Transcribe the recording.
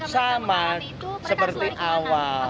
sama seperti awal